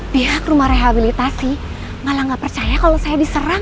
pihak rumah rehabilitasi malah nggak percaya kalau saya diserang